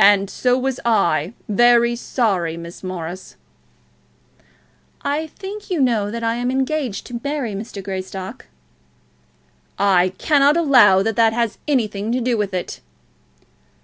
"And so was I, very sorry, Miss Morris." "I think you know that I am engaged to marry Mr. Greystock?" "I cannot allow that that has anything to do with it."